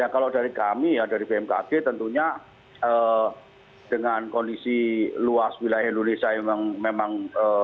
kalau dari kami ya dari bmkg tentunya dengan kondisi luas wilayah indonesia memang